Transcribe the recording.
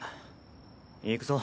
行くぞ。